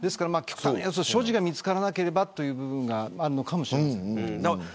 所持が見つからなければという部分があるかもしれません。